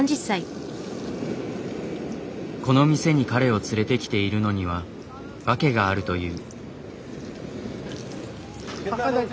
この店に彼を連れてきているのには訳があるという。